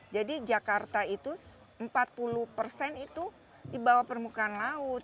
jadi jakarta itu empat puluh persen itu di bawah permukaan laut